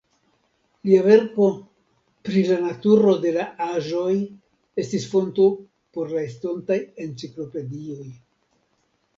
Lia verko "Pri la naturo de la aĵoj" estis fonto por la estontaj enciklopedioj.